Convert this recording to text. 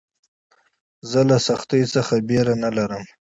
زه له سختیو څخه بېره نه لرم.